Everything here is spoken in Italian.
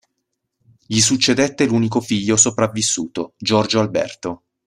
Gli succedette l'unico figlio sopravvissuto, Giorgio Alberto.